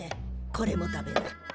これも食べな。